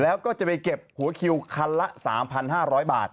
แล้วก็จะไปเก็บหัวคิวคันละสามพันห้าร้อยบาท